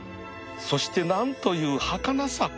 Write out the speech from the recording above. そして何というはかなさ